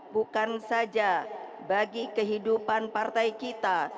bukan saja bagi kehidupan partai kita